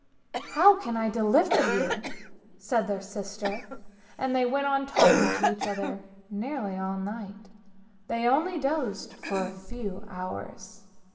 "" How can I deliver you! " said their sister, and they went on talking to each other, nearly all night, they only dozed for a few hours.